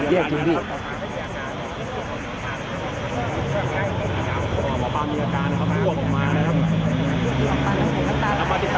เยี่ยมจริงพี่